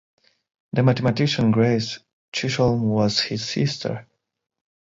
The mathematician Grace Chisholm was his sister.